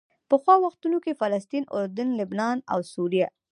پخوا وختونو کې فلسطین، اردن، لبنان او سوریه.